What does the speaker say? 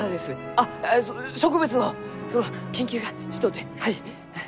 あっ植物のその研究がしとうてはい。